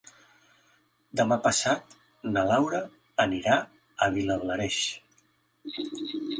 Demà passat na Laura anirà a Vilablareix.